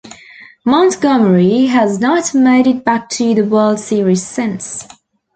Montgomery has not made it back to the World Series since.